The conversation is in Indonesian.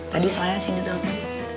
tadi soalnya sini tuh apa